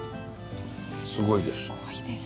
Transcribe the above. すごいです。